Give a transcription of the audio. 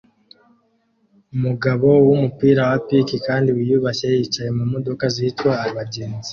Umugabo mu mupira wa pink kandi wiyubashye yicaye mu modoka zitwara abagenzi